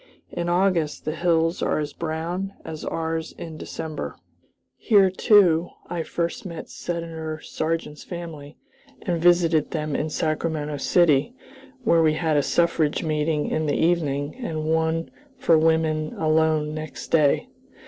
In August the hills are as brown as ours in December. Here, too, I first met Senator Sargent's family, and visited them in Sacramento City, where we had a suffrage meeting in the evening and one for women alone next day.